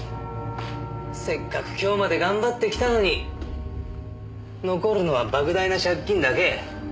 せっかく今日まで頑張ってきたのに残るのは莫大な借金だけ。